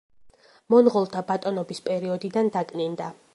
მონღოლთა ბატონობის პერიოდიდან დაკნინდა.